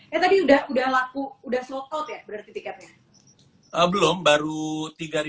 ya tadi udah laku udah sold out ya berarti tiketnya